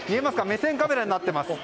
目線がカメラになっています。